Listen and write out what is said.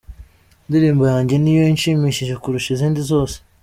ndirimbo yanjye niyo inshimishije kurusha izindi zose.